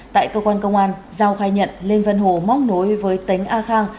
tại cơ quan công an giao khai nhận lên vân hồ móc nối với tấn a khang